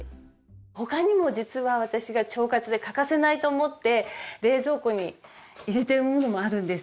他にも実は私が腸活で欠かせないと思って冷蔵庫に入れてるものもあるんです。